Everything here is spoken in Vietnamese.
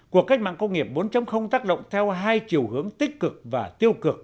cuộc cách mạng công nghiệp bốn tác động theo hai chiều hướng tích cực và tiêu cực